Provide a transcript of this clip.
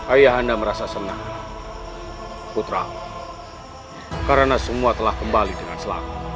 ayah anda merasa senang putra karena semua telah kembali dengan selamat